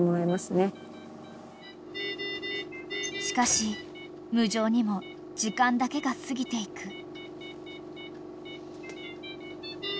［しかし無情にも時間だけが過ぎていく］